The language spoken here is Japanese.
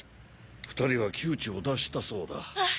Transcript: ２人は窮地を脱したそうだ。